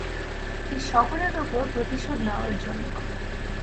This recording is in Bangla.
এই শহরের উপর প্রতিশোধ নেয়ার জন্য।